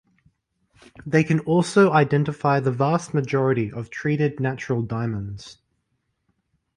They can also identify the vast majority of treated natural diamonds.